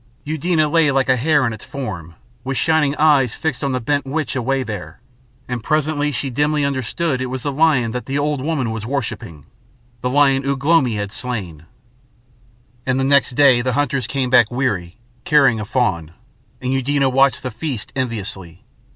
Eudena lay like a hare in its form, with shining eyes fixed on the bent witch away there, and presently she dimly understood it was the lion the old woman was worshipping the lion Ugh lomi had slain. And the next day the hunters came back weary, carrying a fawn, and Eudena watched the feast enviously.